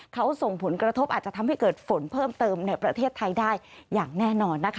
เขาส่งผลกระทบอาจจะทำให้เกิดฝนเพิ่มเติมในประเทศไทยได้อย่างแน่นอนนะคะ